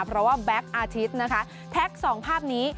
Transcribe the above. เพราะว่าแบ็คอาทิตย์นะคะแท็กสองภาพนี้